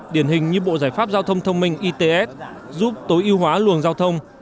điển hình như bộ giải pháp giao thông thông minh its giúp tối ưu hóa luồng giao thông